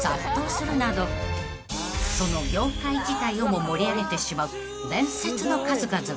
［その業界自体をも盛り上げてしまう伝説の数々］